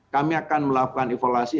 kami akan melakukan evaluasi